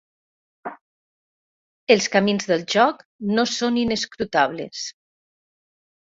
Els camins del joc no són inescrutables.